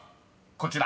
こちら］